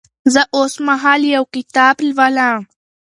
زه اوس مهال یو کتاب لیکم.